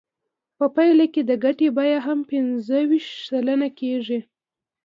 په پایله کې د ګټې بیه هم پنځه ویشت سلنه کېږي